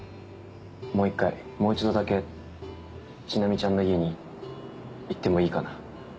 もう一回もう一度だけ千波ちゃんの家に行ってもいいかな。